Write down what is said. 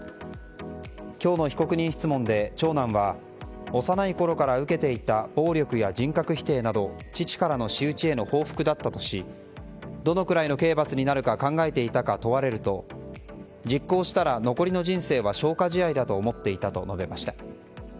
今日の被告人質問で長男は幼いころから受けていた暴力や人格否定など父からの仕打ちへの報復だったとしどのくらいの刑罰になるか考えていたか問われると実行したら残りの人生は消化試合だと思っていたと話しました。